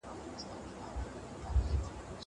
زه پرون کښېناستل کوم.